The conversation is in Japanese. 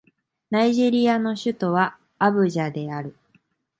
ナイジェリアの首都はアブジャである